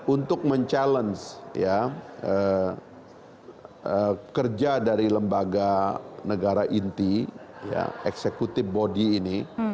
untuk mencabar kerja dari lembaga negara inti eksekutif bodi ini